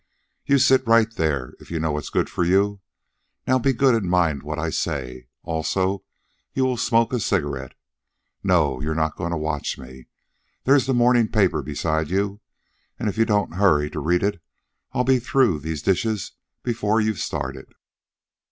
"You'll sit right there, if you know what's good for you. Now be good and mind what I say. Also, you will smoke a cigarette. No; you're not going to watch me. There's the morning paper beside you. And if you don't hurry to read it, I'll be through these dishes before you've started."